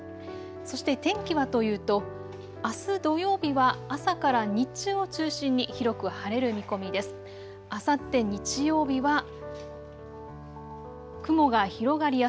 そして天気はというとあす土曜日は朝から日中を中心に広く晴れる見込みです。